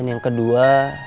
dan yang kedua